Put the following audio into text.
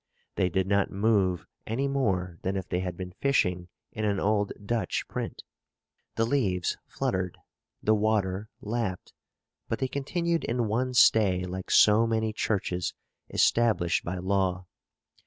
They did not move any more than if they had been fishing in an old Dutch print. The leaves fluttered, the water lapped, but they continued in one stay like so many churches established by law.